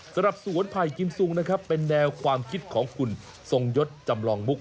สำหรับสวนไผ่กิมซุงนะครับเป็นแนวความคิดของคุณทรงยศจำลองมุก